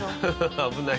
危ない。